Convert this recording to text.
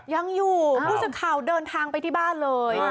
ยังอยู่ผู้สื่อข่าวเดินทางไปที่บ้านเลย